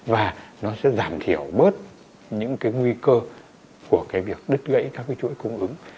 và nó sẽ giảm thiểu bớt những cái nguy cơ của cái việc đứt gãy các cái chuỗi cung ứng